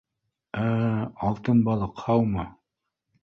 — Ә-ә, алтын балыҡ, һаумы